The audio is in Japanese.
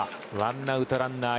１アウトランナー